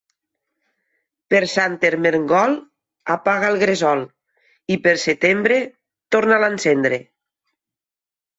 Per Sant Ermengol apaga el gresol i pel setembre torna'l a encendre.